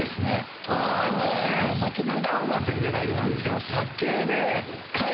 普段は全然大丈夫なんですけど酒で。